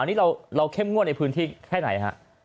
อันนี้เราเข้มงวดในพื้นที่แค่ไหนฮะ